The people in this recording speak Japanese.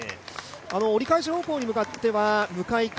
折り返し方向に向かっては、向かい風。